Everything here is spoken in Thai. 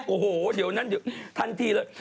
โอ้โฮเดี๋ยวนั้นทันทีเลย